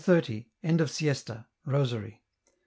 End of Siesta. Rosary.